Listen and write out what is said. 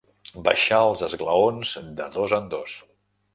Baixar els esglaons de dos en dos.